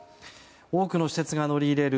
多くの施設が乗り入れる